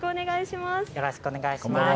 よろしくお願いします。